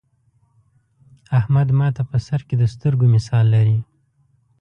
احمد ماته په سر کې د سترگو مثال لري.